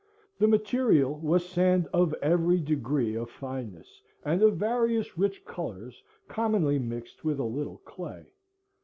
The material was sand of every degree of fineness and of various rich colors, commonly mixed with a little clay.